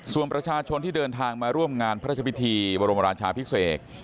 ส่วนประชาชนที่เดินทางมาร่วมงานพระราชพิธีบรมราชาพิเศษ